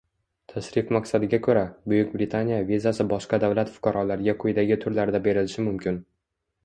Tashrif maqsadiga ko‘ra, Buyuk Britaniya vizasi boshqa davlat fuqarolariga quyidagi turlarda berilishi mumkin.